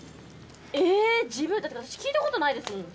自分だって私聞いたことないですもん。